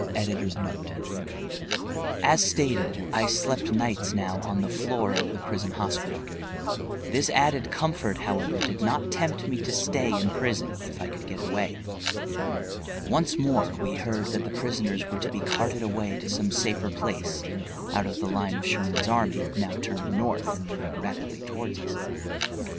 EDITOR.] As stated, I slept nights now on the floor of the prison hospital. This added comfort, however, did not tempt me to stay in prison, if I could get away. Once more we heard that the prisoners were to be carted away to some safer place, out of the line of Sherman's army, now turned North and moving rapidly toward us.